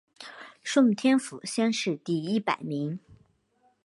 顺天府乡试第一百名。